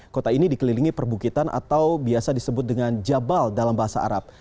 kota ini dikelilingi perbukitan atau biasa disebut dengan jabal dalam bahasa arab